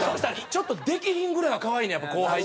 ちょっとできひんぐらいが可愛いのよやっぱ後輩って。